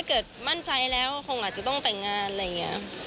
ถ้าเกิดมั่นใจแล้วคงต้องแต่งงาน